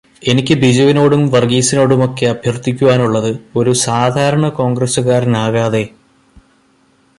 എനിക്ക് ബിജുവിനോടും വർഗീസിനോടുമൊക്കെ അഭ്യർത്ഥിക്കുവാനുള്ളത് ഒരു സാധാരണ കോൺഗ്രസ്സുകാരനാകാതെ